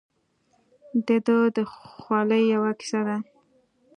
دده د خولې یوه کیسه ده.